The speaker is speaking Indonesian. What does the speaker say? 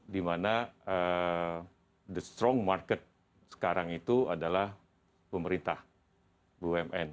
dimana the strong market sekarang itu adalah pemerintah bumn